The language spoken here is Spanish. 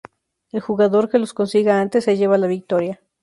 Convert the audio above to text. El jugador que los consiga antes, se lleva la victoria.